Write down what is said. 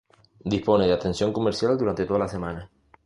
Dispone de atención comercial durante toda la semana.